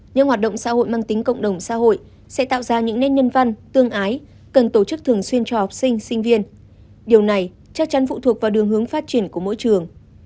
những hoạt động xã hội mang tính cộng đồng xã hội sẽ tạo ra những nét nhân văn tương ái cần tổ chức thường xuyên cho học sinh sinh viên điều này chắc chắn phụ thuộc vào đường hướng phát triển của mỗi trường